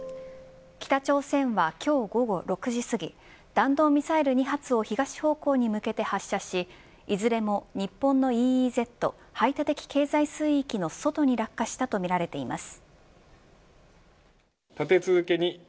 北朝鮮は今日午後６時すぎ弾道ミサイル２発を東方向に向けて発射しいずれも日本のＥＥＺ排他的経済水域の外に落下したとみられています。